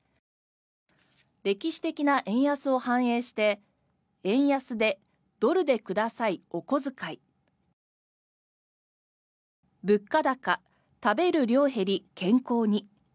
歴史的な円安を反映して「円安でドルでくださいおこづかい」「物価高食べる量減り健康に」